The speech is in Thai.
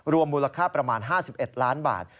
มูลค่าประมาณ๕๑ล้านบาท